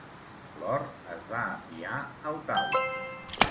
L'or es va enviar a Ottawa.